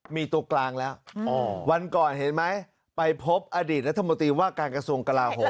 มีตัวกลางแล้ววันก่อนเห็นไหมไปพบอดีตรัฐมนตรีว่าการกระทรวงกลาโหม